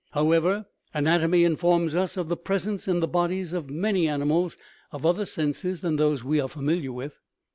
However, an atomy informs us of the presence in the bodies of many animals of other senses than those we are familiar with.